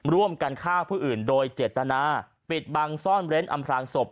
ร่วมกันฆ่าผู้อื่นโดยเจตนาปิดบังซ่อนเร้นอำพลางศพ